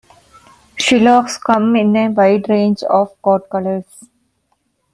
Shilohs come in a wide range of coat colors.